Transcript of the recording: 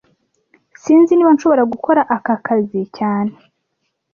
Sinzi niba nshobora gukora aka kazi cyane